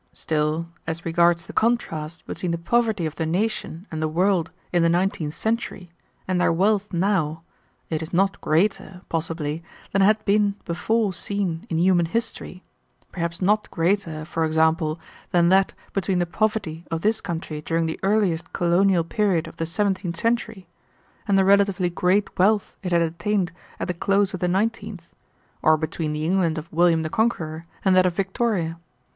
"Still, as regards the contrast between the poverty of the nation and the world in the nineteenth century and their wealth now, it is not greater, possibly, than had been before seen in human history, perhaps not greater, for example, than that between the poverty of this country during the earliest colonial period of the seventeenth century and the relatively great wealth it had attained at the close of the nineteenth, or between the England of William the Conqueror and that of Victoria.